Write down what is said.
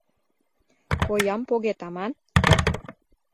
— Коям погет аман?